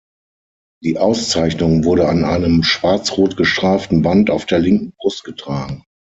Die Auszeichnung wurde an einem schwarz-rot gestreiften Band auf der linken Brust getragen.